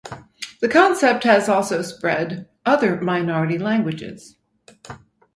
The concept has also spread other minority languages.